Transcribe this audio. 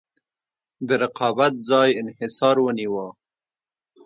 د رقابت ځای انحصار ونیوه.